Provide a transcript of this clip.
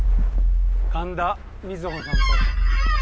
神田水帆さんと。